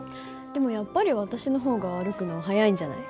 でもやっぱり私の方が歩くの速いんじゃない？